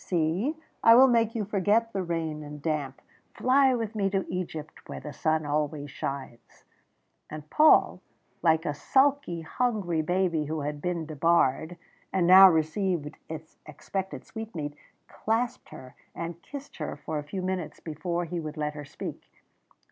"See, I will make you forget the rain and damp. Fly with me to Egypt where the sun always shines." And Paul, like a sulky, hungry baby, who had been debarred, and now received its expected sweetmeat, clasped her and kissed her for a few minutes before he would let her speak.